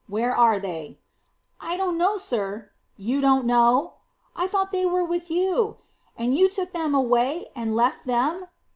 Where are they?" "I don't know, sir." "You don't know!" "I thought they were with you." "And you took them away and left them?"